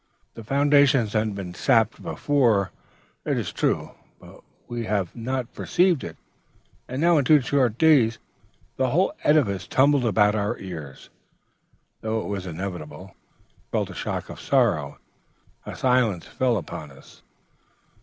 The foundations had been sapped before, it is true; but we had not perceived it; and now, in two short days, the whole edifice tumbled about our ears. Though it was inevitable, we felt a shock of sorrow, and a silence fell upon us.